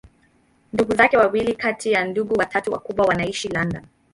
Ndugu zake wawili kati ya ndugu watatu wakubwa wanaishi London.